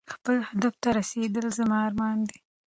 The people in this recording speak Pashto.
خپل هدف ته رسېدل زما ارمان دی.